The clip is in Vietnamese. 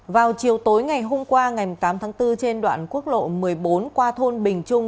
vào chiều tối ngày hôm qua ngày tám tháng bốn trên đoạn quốc lộ một mươi bốn qua thôn bình trung